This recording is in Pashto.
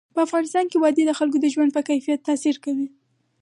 په افغانستان کې وادي د خلکو د ژوند په کیفیت تاثیر کوي.